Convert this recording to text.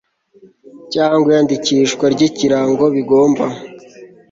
cyangwa iyandikishwa ry ikirango bigomba